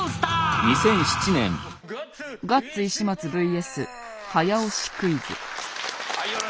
ガッツ石松ＶＳ早押しクイズ。